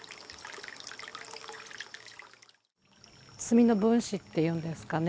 墨の分子というんですかね